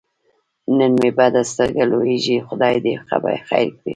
نن مې بده سترګه لوېږي خدای دې خیر کړي.